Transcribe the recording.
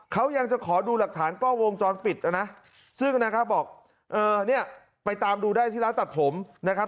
เขายังจะขอดูหลักฐานกล้องวงจรปิดนะซึ่งนะครับบอกเออเนี่ยไปตามดูได้ที่ร้านตัดผมนะครับ